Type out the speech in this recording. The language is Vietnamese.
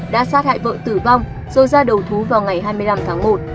đã sát hại vợ tử vong do gia đầu thú vào ngày hai mươi năm tháng một